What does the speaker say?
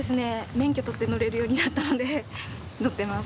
免許取って乗れるようになったので乗ってます。